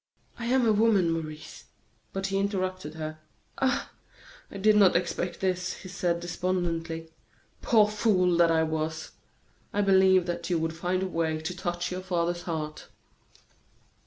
"I am a woman, Maurice " But he interrupted her: "Ah! I did not expect this," he said, despondently. "Poor fool that I was! I believed that you would find a way to touch your father's heart."